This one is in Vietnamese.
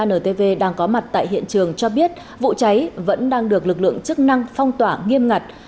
antv đang có mặt tại hiện trường cho biết vụ cháy vẫn đang được lực lượng chức năng phong tỏa nghiêm ngặt